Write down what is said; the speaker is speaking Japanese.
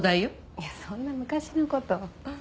いやそんな昔の事。